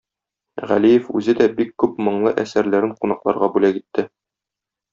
Галиев үзе дә бик күп моңлы әсәрләрен кунакларга бүләк итте.